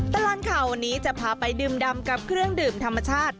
ตลอดข่าววันนี้จะพาไปดื่มดำกับเครื่องดื่มธรรมชาติ